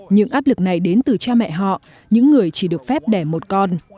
những áp lực này đến từ cha mẹ họ những người chỉ được phép đẻ một con